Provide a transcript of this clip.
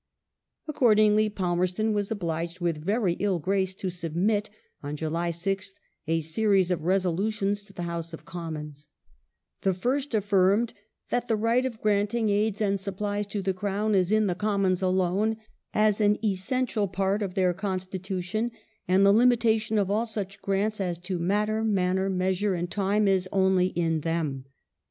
^ Accordingly Palmerston was obliged with very ill grace to submit, on July 6th, a series of resolutions to the House of Commons, The first affirmed that " the right of granting aids and supplies to the Crown is in the Commons alone, as an essential part of their constitution, and the limitation of all such grants as to matter, manner, measure, and time is only in them